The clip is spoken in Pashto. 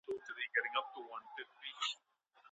که د ښاروالۍ خدمات بریښنایي سي، نو د خلګو وخت نه ضایع کیږي.